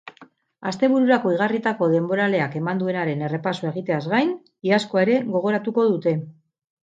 Astebururako iragarritako denboraleak eman duenaren errepasoa egiteaz gain, iazkoa ere gogoratuko dute.